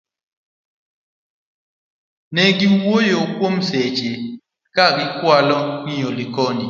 negi wuoyo kuom seche ka gikwalo ng'iyo Likono